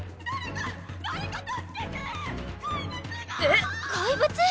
えっ⁉怪物？